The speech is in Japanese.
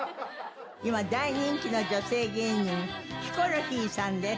今大人気の女性芸人ヒコロヒーさんです。